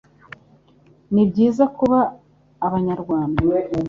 ni byiza kuba abanyarwanda